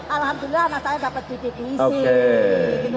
alhamdulillah anak saya dapat bidik wisin